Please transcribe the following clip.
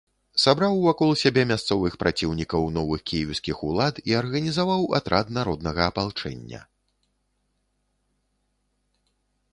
Сабраў вакол сябе мясцовых праціўнікаў новых кіеўскіх улад і арганізаваў атрад народнага апалчэння.